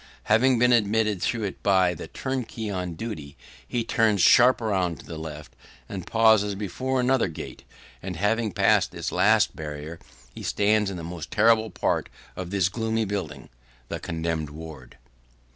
Having been admitted through it by the turnkey on duty, he turns sharp round to the left, and pauses before another gate; and, having passed this last barrier, he stands in the most terrible part of this gloomy building the condemned ward.